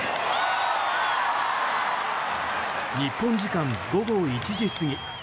日本時間午後１時過ぎ。